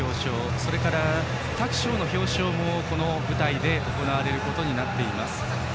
それから各賞の表彰もこの舞台で行われることになっています。